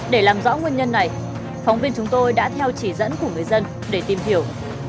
để làm rõ nguyên nhân này phóng viên chúng tôi đã theo chỉ dẫn của người dân để tìm hiểu